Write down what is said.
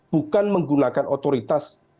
bukan menggunakan otoritas